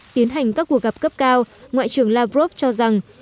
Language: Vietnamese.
tiến hành các cuộc gặp cấp cao ngoại trưởng lavrov cho rằng